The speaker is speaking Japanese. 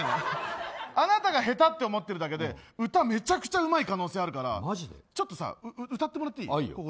あなたがへたって思ってるだけで歌めちゃくちゃうまい可能性あるから歌ってもらっていい？